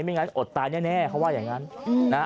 งั้นอดตายแน่เขาว่าอย่างนั้นนะฮะ